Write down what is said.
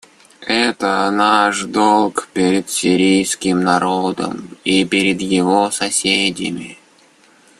Это наш долг перед сирийским народом и перед его соседями.